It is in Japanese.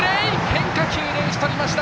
変化球で打ち取りました！